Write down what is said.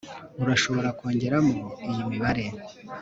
Urashobora kongeramo iyi mibare